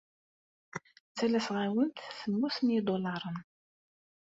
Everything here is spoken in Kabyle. Ttalaseɣ-awent semmus n yidulaṛen.